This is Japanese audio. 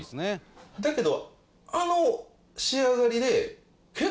だけど。